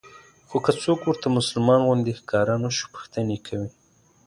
خو که څوک ورته مسلمان غوندې ښکاره نه شو پوښتنې کوي.